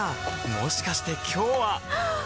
もしかして今日ははっ！